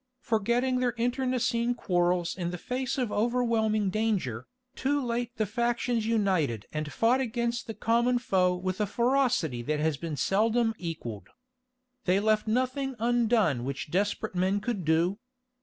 Forgetting their internecine quarrels in the face of overwhelming danger, too late the factions united and fought against the common foe with a ferocity that has been seldom equalled. They left nothing undone which desperate men could do.